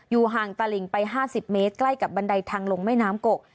ห่างตลิงไป๕๐เมตรใกล้กับบันไดทางลงแม่น้ำกก